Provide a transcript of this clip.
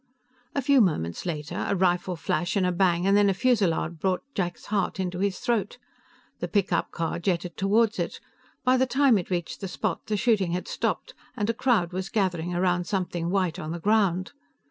A few moments later, a rifle flash and a bang, and then a fusillade brought Jack's heart into his throat. The pickup car jetted toward it; by the time it reached the spot, the shooting had stopped, and a crowd was gathering around something white on the ground.